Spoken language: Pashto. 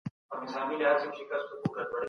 نظري ټولنپوهنه د حقایقو د موندلو رښتينې لار ده.